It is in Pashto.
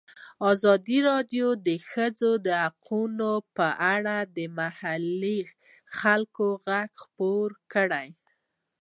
ازادي راډیو د د ښځو حقونه په اړه د محلي خلکو غږ خپور کړی.